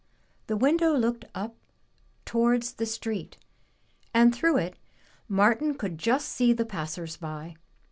The window looked up towards the street, and through it Martin could just see the passers by.